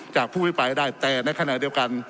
ผู้พิปรายได้แต่ในขณะเดียวกัน